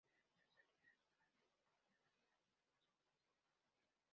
En su salida de España le acompañaron su esposa y sus hijos.